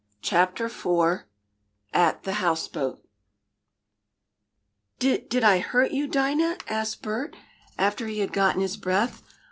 CHAPTER IV AT THE HOUSEBOAT "Did did I hurt you, Dinah?" asked Bert, after he had gotten his breath.